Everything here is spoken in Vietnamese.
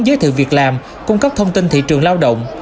giới thiệu việc làm cung cấp thông tin thị trường lao động